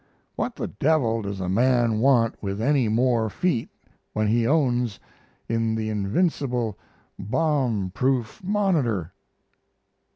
What the devil does a man want with any more feet when he owns in the invincible bomb proof "Monitor"?